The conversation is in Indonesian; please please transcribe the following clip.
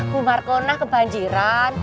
pumar kona kebanjiran